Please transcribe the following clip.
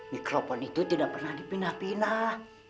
mikrofon itu tidak pernah dipinah pinah